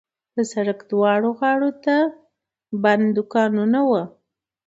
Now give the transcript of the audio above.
د سړک دواړو غاړو ته بند دوکانونه وو.